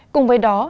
cùng với đó